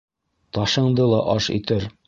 Ташыңды ла аш итер